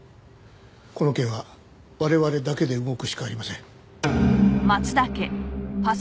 この件は我々だけで動くしかありません。